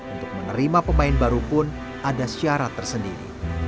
untuk menerima pemain baru pun ada syarat tersendiri